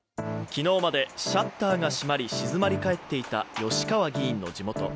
昨日までシャッターが閉まり、静まり返っていた吉川議員の地元。